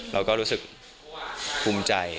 เราก็รู้สึกภูมิใจ